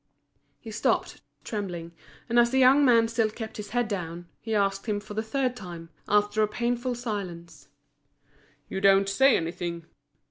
He stopped, trembling, and as the young man still kept his head down, he asked him for the third time, after a painful silence: "You don't say anything?"